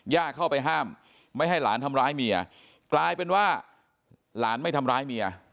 เข้าไปห้ามไม่ให้หลานทำร้ายเมียกลายเป็นว่าหลานไม่ทำร้ายเมีย